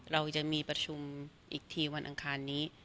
เราจะมีประชุมอีกทีวันอังคารนี้